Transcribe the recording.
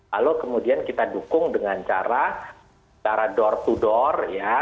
lalu kemudian kita dukung dengan cara cara door to door ya